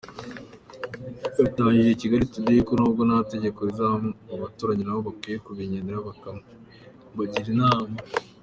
Yatangaije Kigali Today ko nubwo nta tegeko rizabakurikirana, abaturanyi nabo bakwiye kubegera bakabagira inama.